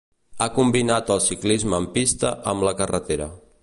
Ha combinat el ciclisme en pista amb la carretera.